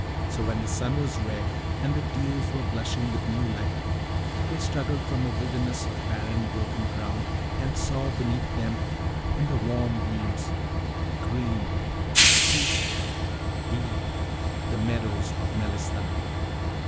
So when the sun was red and the dews were blushing with new light, they struggled from a wilderness of barren broken ground, and saw beneath them, in the warm beams, green, peaceful, deep, the meadows of Melistan.